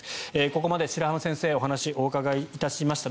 ここまで白濱先生お話をお伺いしました。